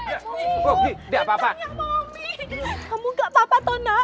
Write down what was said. mami kamu gak apa apa tau nae